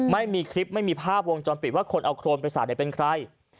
ไม่มีคลิปไม่มีภาพวงจรปิดว่าคนเอาโครนไปสาดเป็นใคร